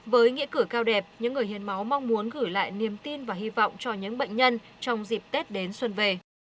với nghĩa cử cao đẹp những người hiến máu mong muốn gửi lại niềm tin và hy vọng cho những bệnh nhân trong dịp tết đến xuân về